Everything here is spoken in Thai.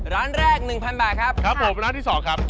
ร้านแรก๑๐๐บาทครับครับผมร้านที่๒ครับ